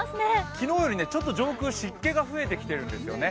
昨日より、上空、ちょっと湿気が増えてきているんですよね。